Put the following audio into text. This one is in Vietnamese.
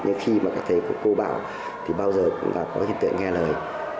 nhưng khi các thầy cô bảo thì bao giờ cũng có thể nghe lời